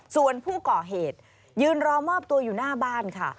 ส่วนผู้ก่อเหตุยืนรอมอบตัวอยู่หน้าบ้านค่ะ